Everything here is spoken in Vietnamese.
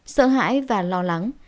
sợ hãi và lo lắng